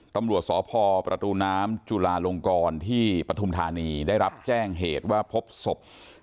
ตำรวจสพประตูน้ำจุลาลงกรที่ปฐุมธานีได้รับแจ้งเหตุว่าพบศพ